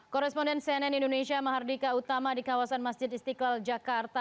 koresponden cnn indonesia mahardika utama di kawasan masjid istiqlal jakarta